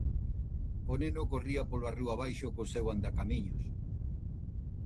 O neno corría pola rúa abaixo co seu andacamiños.